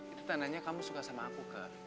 itu tandanya kamu suka sama aku ke